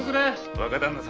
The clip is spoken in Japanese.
若旦那様